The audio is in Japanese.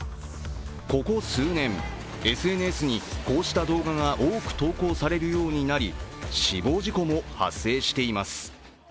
ここ数年、ＳＮＳにこうした動画が多く投稿されるようになり、死亡事故も発生しています。